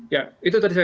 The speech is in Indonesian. dari kerjanya hakim